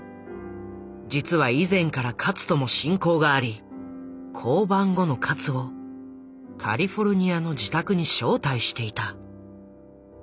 実は以前から勝とも親交があり降板後の勝をカリフォルニアの自宅に招待していた。